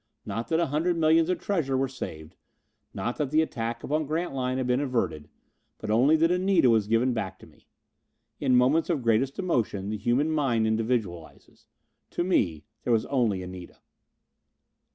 Not that a hundred millions of treasure were saved. Not that the attack upon Grantline had been averted. But only that Anita was given back to me. In moments of greatest emotion the human mind individualizes. To me, there was only Anita.